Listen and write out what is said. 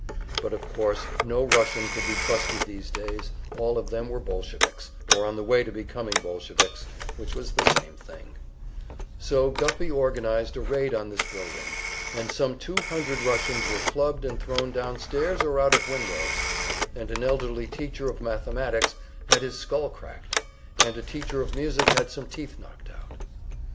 But of course no Russian could be trusted these days all of them were Bolsheviks, or on the way to becoming Bolsheviks, which was the same thing; so Guffey organized a raid on this building, and some two hundred Russians were clubbed and thrown downstairs or out of windows, and an elderly teacher of mathematics had his skull cracked, and a teacher of music had some teeth knocked out.